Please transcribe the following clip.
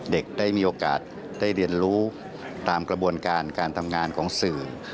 ได้มีโอกาสได้เรียนรู้ตามกระบวนการการทำงานของสื่อ